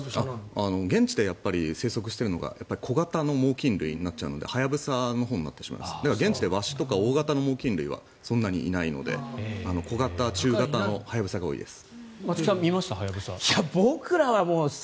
現地に生息してるのが小型の猛きん類となっちゃうのでハヤブサのほうになるのでワシとか大型の猛きん類はそんなにいないので小型、中型のハヤブサが多いです。